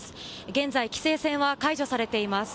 現在、規制線は解除されています。